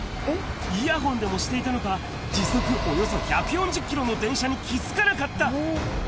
イヤホンでもしていたのか、時速およそ１４０キロの電車に気付かなかった。